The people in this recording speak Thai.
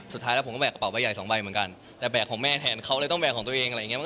สุดท้ายแล้วผมก็แกใบใหญ่สองใบเหมือนกันแต่แบกของแม่แทนเขาเลยต้องแบกของตัวเองอะไรอย่างเงี้